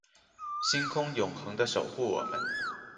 星空永恒的守护我们